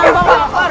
ya allah pak